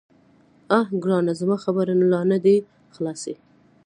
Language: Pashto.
_اه ګرانه، زما خبرې لا نه دې خلاصي.